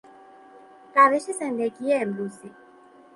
روش زندگی امروزی